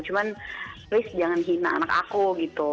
cuman please jangan hina anak aku gitu